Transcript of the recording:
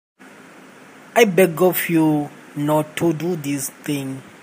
I beg of you not to do this thing.